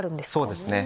そうですね。